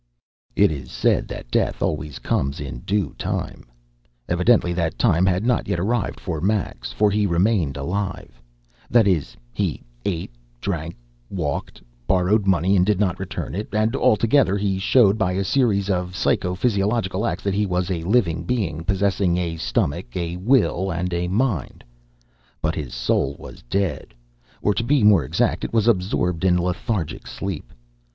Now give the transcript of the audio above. ........ It is said that death always comes in due time. Evidently, that time had not yet arrived for Max, for he remained alive that is, he ate, drank, walked, borrowed money and did not return it, and altogether he showed by a series of psycho physiological acts that he was a living being, possessing a stomach, a will, and a mind but his soul was dead, or, to be more exact, it was absorbed in lethargic sleep.